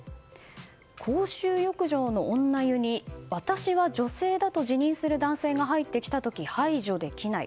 公衆浴場の女湯に私は女性だと自認する男性が入ってきた時排除できない。